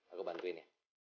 aku bantuin ya